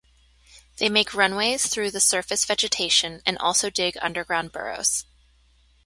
They make runways through the surface vegetation and also dig underground burrows.